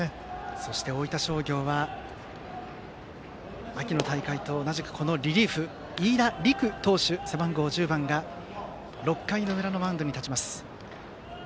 そして大分商業は秋の大会と同じくこのリリーフ、飯田凜琥投手背番号１０番が６回の裏のマウンドに立ちます。